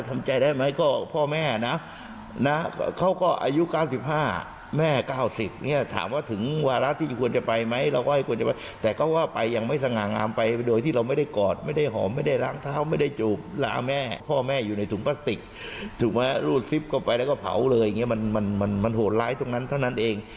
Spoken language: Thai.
มันโหดร้ายตรงนั้นเท่านั้นเอง